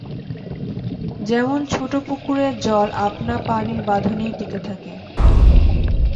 যেমন ছোটো পুকুরের জল আপনা পাড়ির বাঁধনেই টিঁকে থাকে।